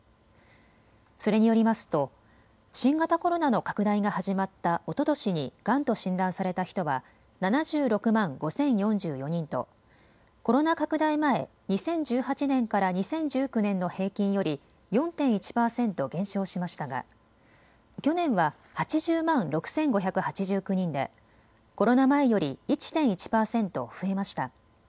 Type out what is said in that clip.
それによりますと新型コロナの拡大が始まったおととしにがんと診断された人は７６万５０４４人とコロナ拡大前、２０１８年から２０１９年の平均より４．１％減少しましたが去年は８０万６５８９人でコロナ前より１．１％増えました。